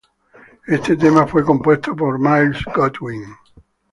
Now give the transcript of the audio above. Este tema fue compuesto por Myles Goodwyn.